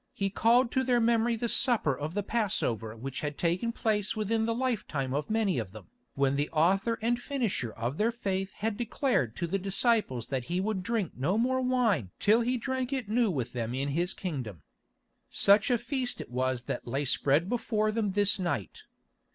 He called to their memory the supper of the Passover which had taken place within the lifetime of many of them, when the Author and Finisher of their faith had declared to the disciples that He would drink no more wine till He drank it new with them in His kingdom. Such a feast it was that lay spread before them this night.